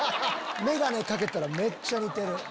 メガネ掛けたらめっちゃ似てる。